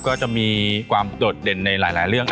ก็จะมีความโดดเด่นในหลายเรื่อง